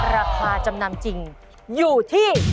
ราคาจำนำจริงอยู่ที่